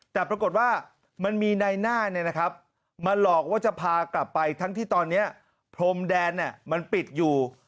แต่ปรากฏว่ามันมีในหน้ามาหลอกว่าจะพากลับไปทั้งที่ตอนนี้พรมแดนมันปิดอยู่